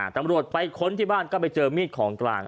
ตำรวจไปค้นที่บ้านก็ไปเจอมีดของกลาง